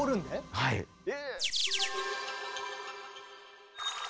はい！え！